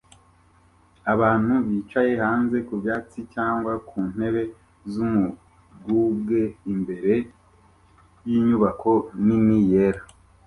Abantu bicaye hanze ku byatsi cyangwa ku ntebe z'umuyugubwe imbere y'inyubako nini yera